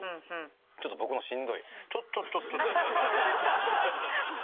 ちょっと僕もしんどい。